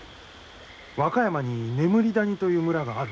和歌山に「眠り谷」という村がある？